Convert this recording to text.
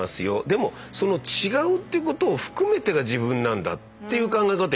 でもその違うってことを含めてが自分なんだっていう考え方